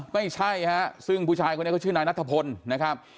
ไม่ใช่ฮะซึ่งผู้ชายคนนี้เขาชื่อนายนัทพลนะครับ